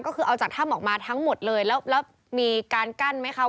ก็คือเอาจากถ้ำออกมาทั้งหมดเลยแล้วมีการกั้นไหมคะ